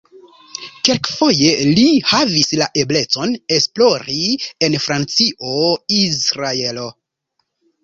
Kelkfoje li havis la eblecon esplori en Francio, Izraelo.